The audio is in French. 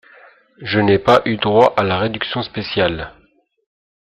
Je n'ai pas eu droit à la réduction spéciale.